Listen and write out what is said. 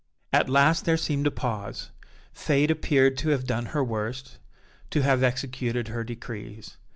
"At last there seemed a pause. Fate appeared to have done her worst, to have executed her decrees.